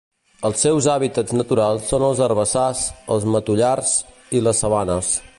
Els seus hàbitats naturals són els herbassars, els matollars i les sabanes.